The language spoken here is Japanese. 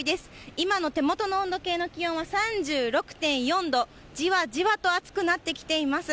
今の手元の温度計の気温は３６．４度、じわじわと暑くなってきています。